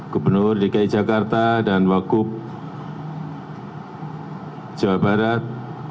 gubernur dki jakarta dan wagup jawa barat